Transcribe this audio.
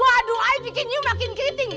waduh ay bikin you makin keriting